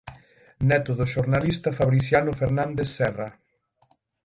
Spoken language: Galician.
Neto do xornalista Fabriciano Fernández Serra.